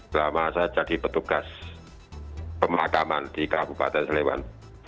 selama saya jadi petugas pemakaman di kabupaten sleman